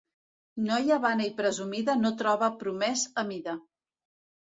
Noia vana i presumida no troba promès a mida.